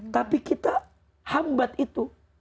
tapi kita hambat itu